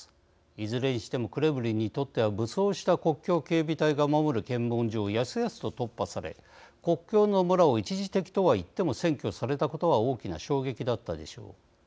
いずれにしてもクレムリンにとっては武装した国境警備隊が守る検問所をやすやすと突破され国境の村を一時的とはいっても占拠されたことは大きな衝撃だったでしょう。